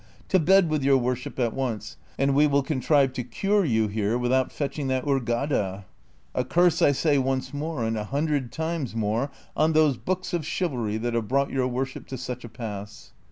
To bed with your worship at once, and we will contrive to cure you here without fetching that Hurgada. A curse I say once more, and a hundred times more, on those books of chivalry that have brought your worship to such a pass."